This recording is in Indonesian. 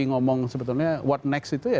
ngomong sebetulnya what next itu ya